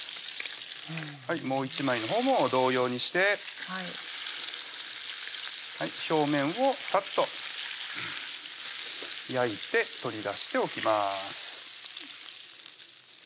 もう１枚のほうも同様にして表面をさっと焼いて取り出しておきます